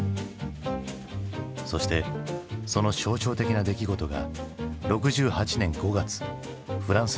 そしてその象徴的な出来事が６８年５月フランスで起きる。